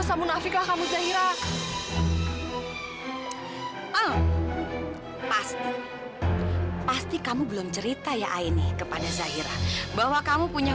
sampai jumpa di video selanjutnya